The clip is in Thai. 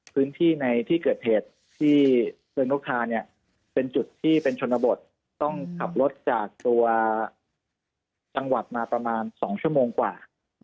พื้นที่ในที่เกิดเหตุที่เชิงนกทาเนี่ยเป็นจุดที่เป็นชนบทต้องขับรถจากตัวจังหวัดมาประมาณ๒ชั่วโมงกว่า